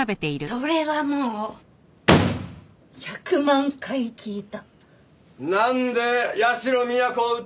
それも１００万回聞いた。